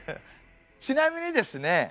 ちなみにですね